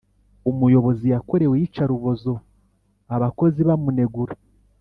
umuyobozi yakorewe iyicarubozo abakozi bamunegura.